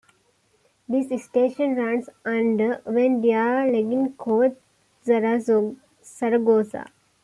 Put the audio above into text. This station runs under Avenida Ignacio Zaragoza.